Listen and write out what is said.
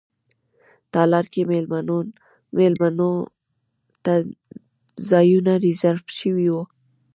تالار کې میلمنو ته ځایونه ریزرف شوي وو.